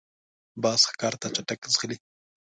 باز ښکار ته چټک ځغلي